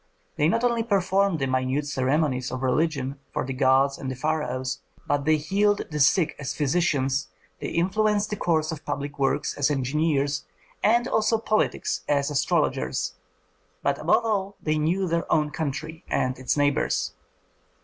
They not only performed the minute ceremonies of religion for the gods and the pharaohs, but they healed the sick as physicians, they influenced the course of public works as engineers, and also politics as astrologers, but above all they knew their own country and its neighbors.